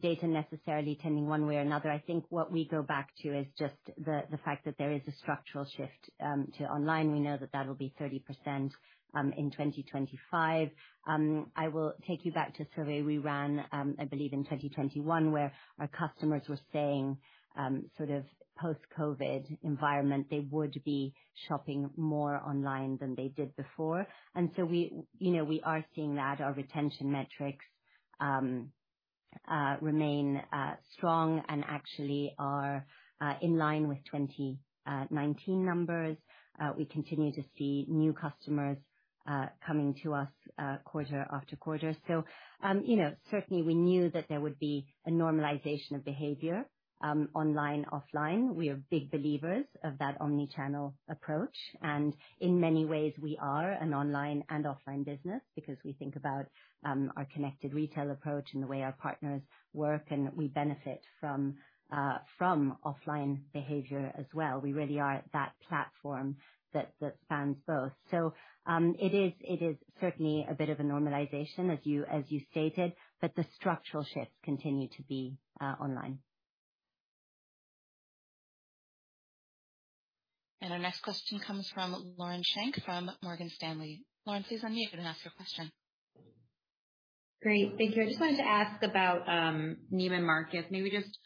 data necessarily tending one way or another. I think what we go back to is just the fact that there is a structural shift to online. We know that that will be 30% in 2025. I will take you back to a survey we ran, I believe in 2021, where our customers were saying, sort of post-COVID environment, they would be shopping more online than they did before. We, you know, we are seeing that. Our retention metrics remain strong and actually are in line with 2019 numbers. We continue to see new customers coming to us quarter after quarter. You know, certainly we knew that there would be a normalization of behavior online, offline. We are big believers of that omni-channel approach. In many ways, we are an online and offline business because we think about our connected retail approach and the way our partners work, and we benefit from offline behavior as well. We really are that platform that spans both. It is certainly a bit of a normalization, as you stated, but the structural shifts continue to be online. Our next question comes from Lauren Schenk from Morgan Stanley. Lauren, please unmute and ask your question. Great. Thank you. I just wanted to ask about Neiman Marcus. Maybe just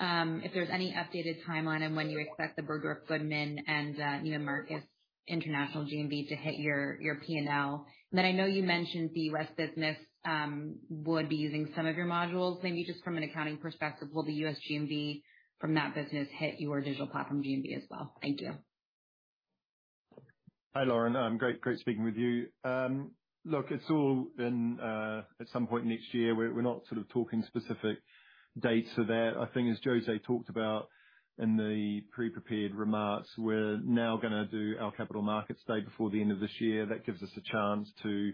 if there's any updated timeline on when you expect the Bergdorf Goodman and Neiman Marcus International GMV to hit your P&L. I know you mentioned the resale business would be using some of your modules. Maybe just from an accounting perspective, will the U.S. GMV from that business hit your digital platform GMV as well? Thank you. Hi, Lauren. Great speaking with you. Look, it's all in at some point next year. We're not sort of talking specific dates for that. I think as José talked about in the pre-prepared remarks, we're now gonna do our capital markets day before the end of this year. That gives us a chance to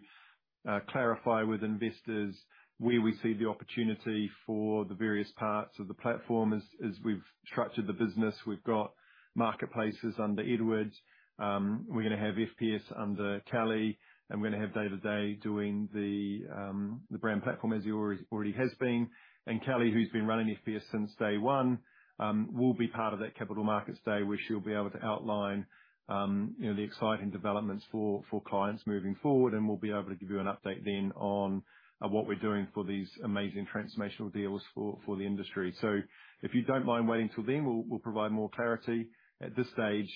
clarify with investors where we see the opportunity for the various parts of the platform. As we've structured the business, we've got marketplaces under Edward, we're gonna have FPS under Kelly, and we're gonna have day-to-day doing the brand platform as it already has been. Kelly, who's been running FPS since day one, will be part of that Capital Markets Day, where she'll be able to outline, you know, the exciting developments for clients moving forward, and we'll be able to give you an update then on what we're doing for these amazing transformational deals for the industry. If you don't mind waiting till then, we'll provide more clarity. At this stage,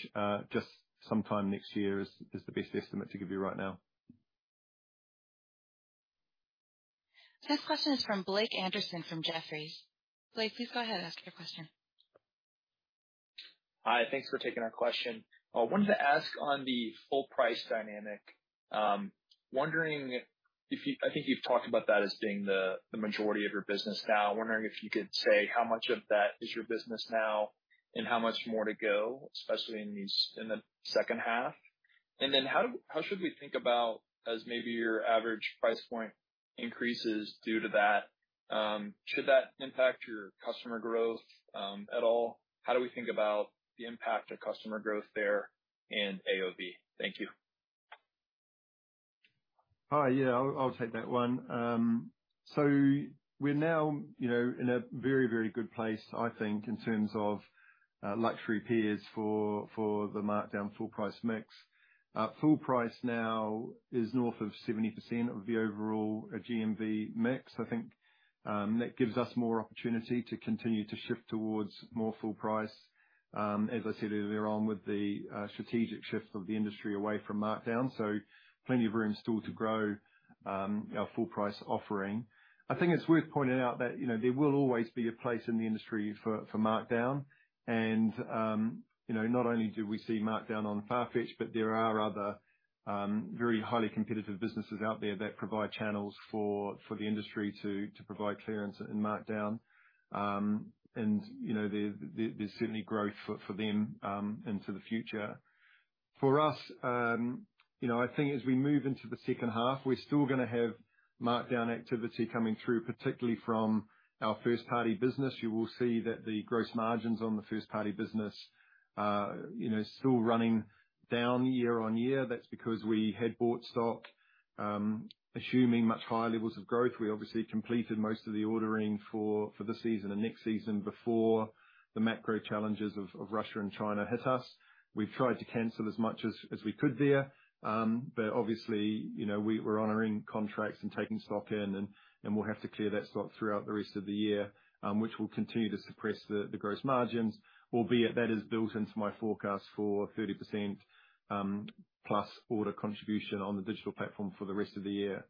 just sometime next year is the best estimate to give you right now. This question is from Blake Anderson from Jefferies. Blake, please go ahead and ask your question. Hi. Thanks for taking our question. I wanted to ask on the full price dynamic, wondering if you, I think, you've talked about that as being the majority of your business now. Wondering if you could say how much of that is your business now and how much more to go, especially in the second half. How should we think about as maybe your average price point increases due to that, should that impact your customer growth at all? How do we think about the impact of customer growth there and AOV? Thank you. Hi. Yeah. I'll take that one. We're now, you know, in a very, very good place, I think, in terms of luxury peers for the markdown full price mix. Full price now is north of 70% of the overall GMV mix. I think that gives us more opportunity to continue to shift towards more full price, as I said earlier on with the strategic shift of the industry away from markdown. Plenty of room still to grow our full price offering. I think it's worth pointing out that, you know, there will always be a place in the industry for markdown and, you know, not only do we see markdown on Farfetch, but there are other very highly competitive businesses out there that provide channels for the industry to provide clearance and markdown. You know, there's certainly growth for them into the future. For us, you know, I think as we move into the second half, we're still gonna have markdown activity coming through, particularly from our first-party business. You will see that the gross margins on the first-party business, you know, still running down year-over-year. That's because we had bought stock, assuming much higher levels of growth. We obviously completed most of the ordering for this season and next season before the macro challenges of Russia and China hit us. We've tried to cancel as much as we could there, but obviously, you know, we're honoring contracts and taking stock in, and we'll have to clear that stock throughout the rest of the year, which will continue to suppress the gross margins, albeit that is built into my forecast for 30% plus order contribution on the digital platform for the rest of the year.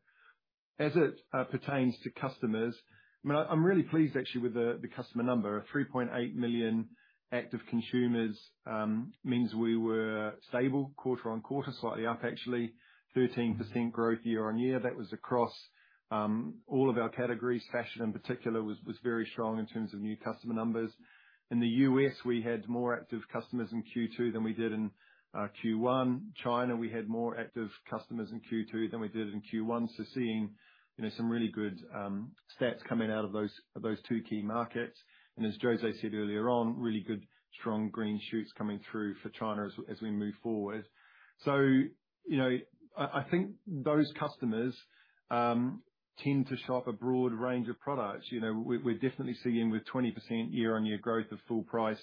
As it pertains to customers, I mean, I'm really pleased actually with the customer number. 3.8 million active consumers means we were stable quarter-on-quarter, slightly up actually. 13% growth year-on-year. That was across all of our categories. Fashion in particular was very strong in terms of new customer numbers. In the U.S., we had more active customers in Q2 than we did in Q1. China, we had more active customers in Q2 than we did in Q1. Seeing, you know, some really good stats coming out of those two key markets. As José said earlier on, really good strong green shoots coming through for China as we move forward. You know, I think those customers tend to shop a broad range of products. You know, we're definitely seeing with 20% year-on-year growth of full price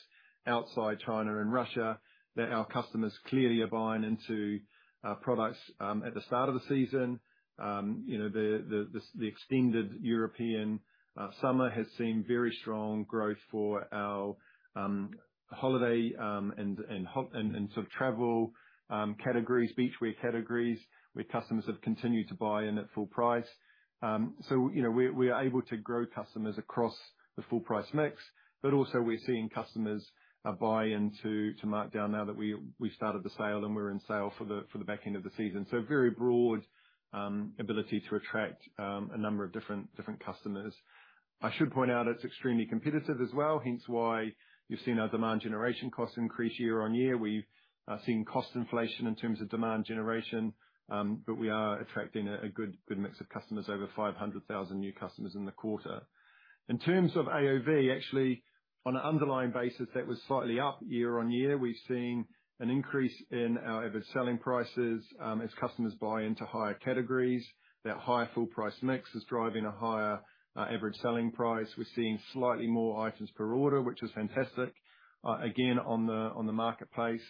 outside China and Russia, that our customers clearly are buying into products at the start of the season. You know, the extended European summer has seen very strong growth for our holiday and sort of travel categories, beachwear categories, where customers have continued to buy in at full price. You know, we're able to grow customers across the full price mix, but also we're seeing customers buy into markdown now that we've started the sale and we're in sale for the back end of the season. Very broad ability to attract a number of different customers. I should point out it's extremely competitive as well, hence why you've seen our demand generation costs increase year-on-year. We've seen cost inflation in terms of demand generation, but we are attracting a good mix of customers, over 500,000 new customers in the quarter. In terms of AOV, actually on an underlying basis, that was slightly up year-on-year. We've seen an increase in our average selling prices, as customers buy into higher categories. That higher full price mix is driving a higher average selling price. We're seeing slightly more items per order, which is fantastic, again, on the marketplace.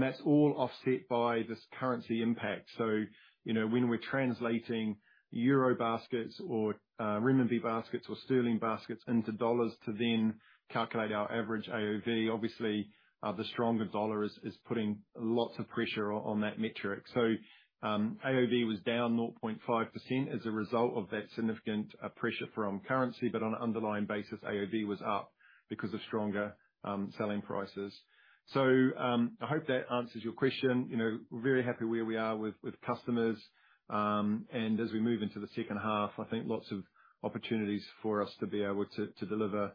That's all offset by this currency impact. You know, when we're translating euro baskets or renminbi baskets or sterling baskets into dollars to then calculate our average AOV, obviously, the stronger dollar is putting lots of pressure on that metric. AOV was down 0.5% as a result of that significant pressure from currency, but on an underlying basis, AOV was up because of stronger selling prices. I hope that answers your question. You know, we're very happy where we are with customers. As we move into the second half, I think lots of opportunities for us to be able to deliver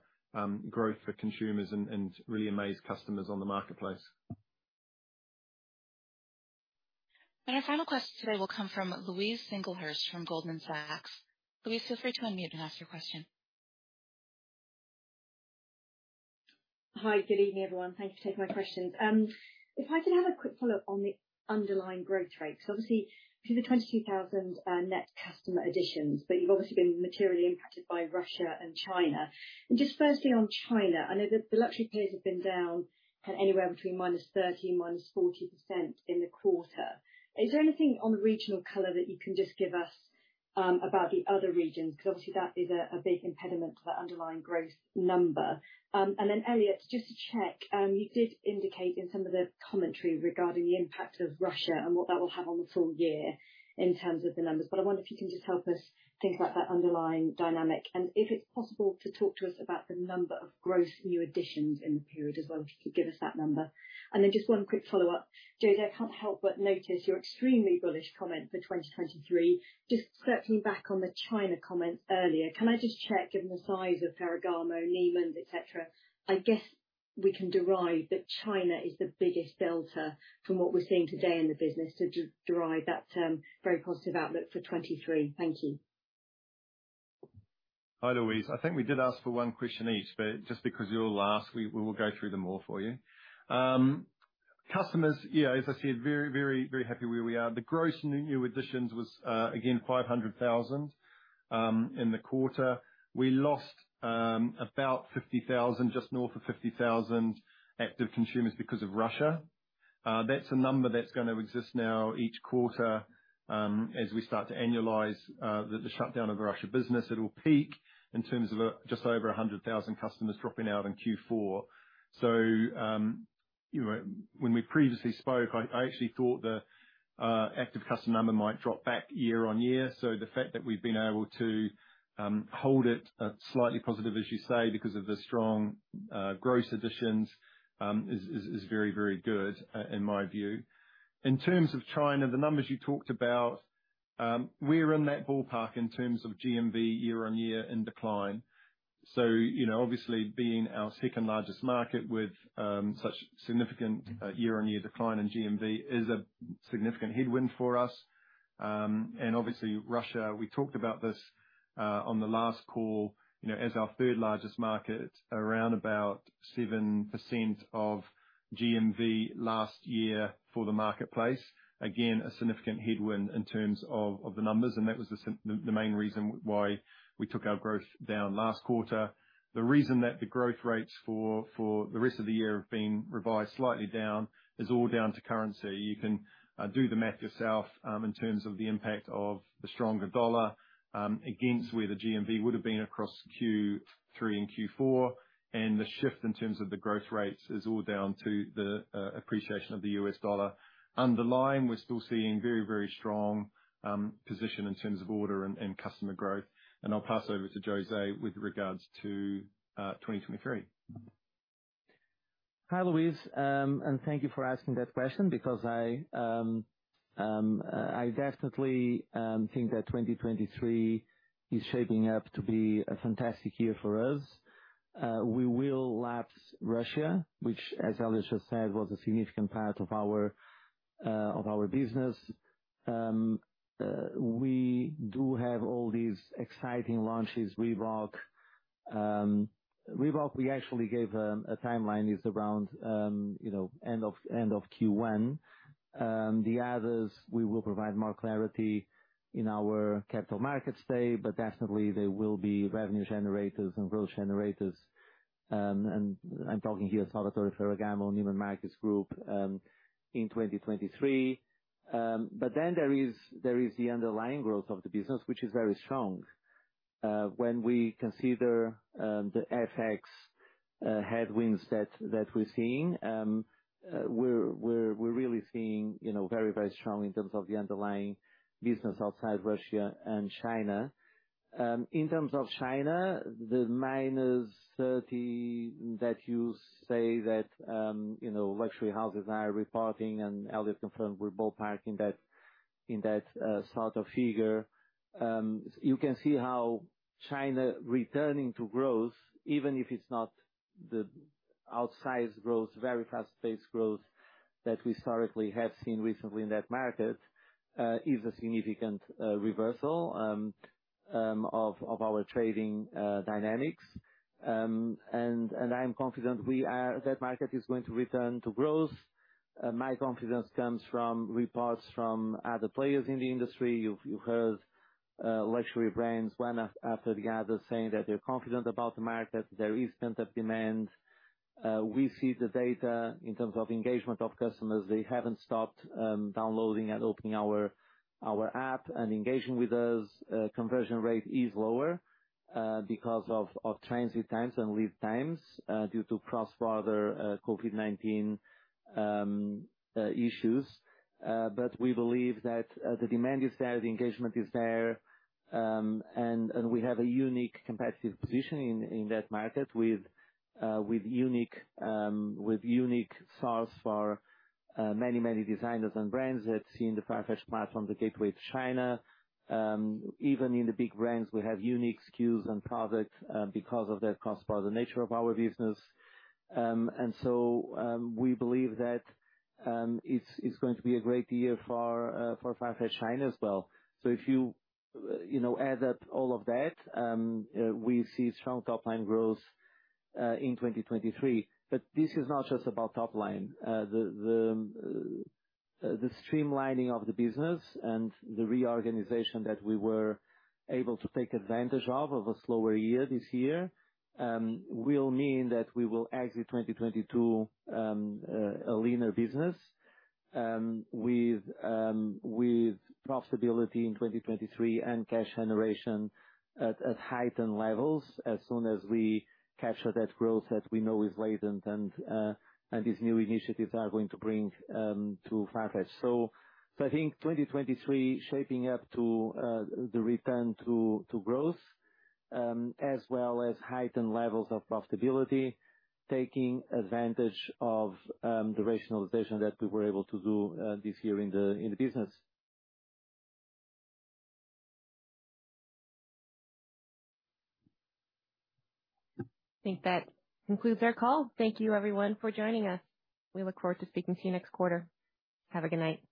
growth for consumers and really amaze customers on the marketplace. Our final question today will come from Louise Singlehurst from Goldman Sachs. Louise, feel free to unmute and ask your question. Hi, good evening, everyone. Thanks for taking my questions. If I could have a quick follow-up on the underlying growth rates. Obviously, you have 22,000 net customer additions, but you've obviously been materially impacted by Russia and China. Just firstly, on China, I know that the luxury plays have been down anywhere between -30% and -40% in the quarter. Is there anything on the regional color that you can just give us about the other regions? Because obviously that is a big impediment to the underlying growth number. And then Elliot, just to check, you did indicate in some of the commentary regarding the impact of Russia and what that will have on the full year in terms of the numbers. I wonder if you can just help us think about that underlying dynamic, and if it's possible to talk to us about the number of gross new additions in the period as well, if you could give us that number. Just one quick follow-up. José, I can't help but notice your extremely bullish comment for 2023. Just circling back on the China comments earlier, can I just check, given the size of Ferragamo, Neiman, et cetera, I guess we can derive that China is the biggest delta from what we're seeing today in the business to derive that very positive outlook for 2023. Thank you. Hi, Louise. I think we did ask for one question each, but just because you're last, we will go through them all for you. Customers, yeah, as I said, very happy where we are. The gross new additions was again 500,000 in the quarter. We lost about 50,000, just north of 50,000 active consumers because of Russia. That's a number that's gonna exist now each quarter as we start to annualize the shutdown of the Russia business. It'll peak in terms of just over 100,000 customers dropping out in Q4. You know, when we previously spoke, I actually thought the active customer number might drop back year-over-year. The fact that we've been able to hold it slightly positive, as you say, because of the strong gross additions, is very good in my view. In terms of China, the numbers you talked about, we're in that ballpark in terms of GMV year-on-year in decline. You know, obviously being our second largest market with such significant year-on-year decline in GMV is a significant headwind for us. Obviously Russia, we talked about this on the last call, you know, as our third largest market, around 7% of GMV last year for the marketplace. Again, a significant headwind in terms of the numbers, and that was the main reason why we took our growth down last quarter. The reason that the growth rates for the rest of the year have been revised slightly down is all down to currency. You can do the math yourself in terms of the impact of the stronger dollar against where the GMV would have been across Q3 and Q4, and the shift in terms of the growth rates is all down to the appreciation of the U.S. dollar. Underlying, we're still seeing very strong position in terms of order and customer growth. I'll pass over to José with regards to 2023. Hi, Louise, and thank you for asking that question because I definitely think that 2023 is shaping up to be a fantastic year for us. We will lap Russia, which as Elliot Jordan just said, was a significant part of our business. We do have all these exciting launches. Reebok, we actually gave a timeline is around, you know, end of Q1. The others, we will provide more clarity in our Capital Markets Day, but definitely they will be revenue generators and growth generators. I'm talking here Salvatore Ferragamo, Neiman Marcus Group, in 2023. There is the underlying growth of the business which is very strong. When we consider the FX headwinds that we're seeing, we're really seeing, you know, very strong in terms of the underlying business outside Russia and China. In terms of China, the -30% that you say luxury houses are reporting, and Elliot Jordan confirmed we're ballparking that, in that sort of figure. You can see how China returning to growth, even if it's not the outsized growth, very fast-paced growth that we historically have seen recently in that market, is a significant reversal of our trading dynamics. I'm confident that market is going to return to growth. My confidence comes from reports from other players in the industry. You've heard luxury brands one after the other saying that they're confident about the market. There is pent-up demand. We see the data in terms of engagement of customers. They haven't stopped downloading and opening our app and engaging with us. Conversion rate is lower because of transit times and lead times due to cross-border COVID-19 issues. We believe that the demand is there, the engagement is there, and we have a unique competitive position in that market with unique source for many designers and brands that see in the Farfetch platform the gateway to China. Even in the big brands, we have unique SKUs and products because of the cross-border nature of our business. We believe that it's going to be a great year for Farfetch China as well. If you know, add up all of that, we see strong top line growth in 2023. This is not just about top line. The streamlining of the business and the reorganization that we were able to take advantage of a slower year this year will mean that we will exit 2022 a leaner business with profitability in 2023 and cash generation at heightened levels as soon as we capture that growth, as we know is latent and these new initiatives are going to bring to Farfetch. I think 2023 shaping up to the return to growth, as well as heightened levels of profitability, taking advantage of the rationalization that we were able to do this year in the business. I think that concludes our call. Thank you everyone for joining us. We look forward to speaking to you next quarter. Have a good night.